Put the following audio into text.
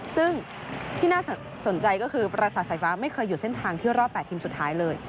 ซึ่งที่น่าสนใจก็คือประสาทสายฟ้าไม่เคยหยุดเส้นทางที่รอบ๘ทีมสุดท้ายเลย